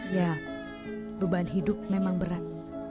ya beban hidup memang berat